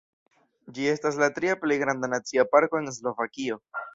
Ĝi estas la tria plej granda nacia parko en Slovakio.